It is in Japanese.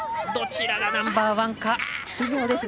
どちらがナンバーワンか。